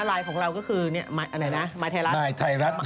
ไลน์ของเราก็คือไหมไทรัศน์